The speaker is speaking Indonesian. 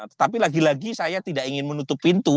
tetapi lagi lagi saya tidak ingin menutup pintu